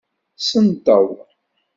Senteḍ.